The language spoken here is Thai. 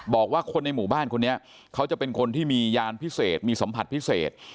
บอกว่าคนในหมู่บ้านคนนี้เขาจะเป็นคนที่มียานพิเศษมีสัมผัสพิเศษ